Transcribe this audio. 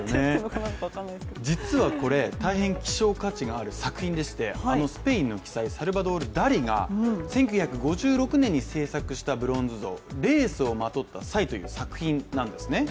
実はこれ、大変希少価値がある作品でしてスペインの奇才、サルバドール・ダリが１９５６年に制作したブロンズ像「レースをまとった犀」という作品なんですね。